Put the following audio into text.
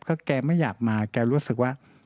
ก็แกไม่อยากมาแกรู้สึกว่า